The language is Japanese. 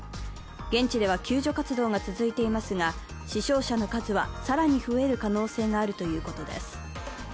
現地では救助活動が続いていますが、死傷者の数は更に増える可能性があるということです。